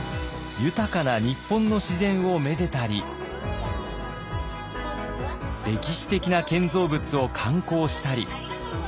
豊かな日本の自然をめでたり歴史的な建造物を観光したり。